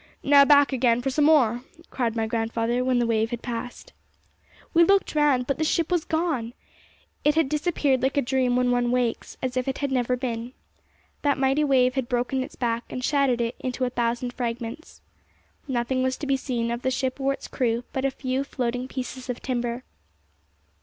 'Now back again for some more!' cried my grandfather, when the wave had passed. We looked round, but the ship was gone! It had disappeared like a dream when one awakes, as if it had never been. That mighty wave had broken its back, and shattered it into a thousand fragments. Nothing was to be seen of the ship or its crew but a few floating pieces of timber.